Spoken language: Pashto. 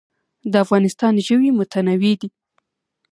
د افغانستان ژوي متنوع دي